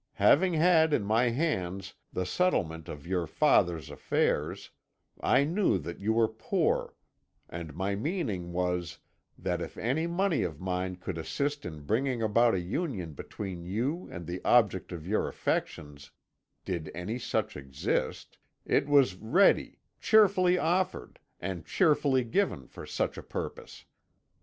Having had in my hands the settlement of your father's affairs, I knew that you were poor, and my meaning was, that if any money of mine could assist in bringing about a union between you and the object of your affections did any such exist it was ready, cheerfully offered and cheerfully given for such a purpose.